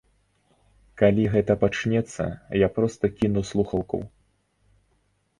Калі гэта пачнецца, я проста кіну слухаўку.